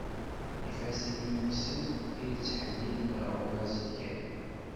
D ifassen yumsen i d-yettḥellin aɣrum azedgan.